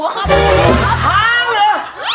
ท้าเหรอ